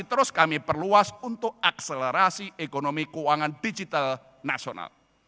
terus kami perluas untuk akselerasi ekonomi keuangan digital nasional